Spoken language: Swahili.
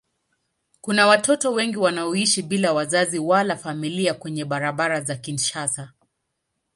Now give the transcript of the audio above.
Kuna watoto wengi wanaoishi bila wazazi wala familia kwenye barabara za Kinshasa.